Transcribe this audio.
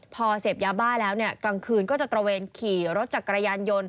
พอเสพยาบ้าแล้วเนี่ยกลางคืนก็จะตระเวนขี่รถจักรยานยนต์